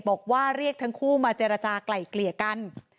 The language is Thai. บอกว่าเรียกทั้งคู่มาเจรจากลายเกลี่ยกัน